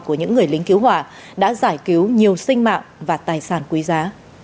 của những người lính cứu hỏa đã giải cứu nhiều sinh mạng và tài sản quý giá